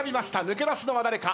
抜け出すのは誰か？